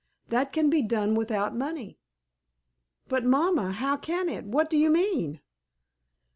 That can be done without money." "But, mamma, how can it? What do you mean?"